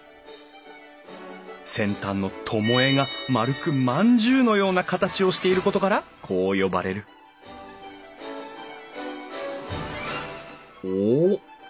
先端の巴が丸く饅頭のような形をしていることからこう呼ばれるおっ！